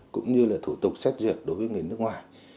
cũng như là thủ tục xét duyệt đối với người nước ngoài